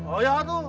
oh ya tuh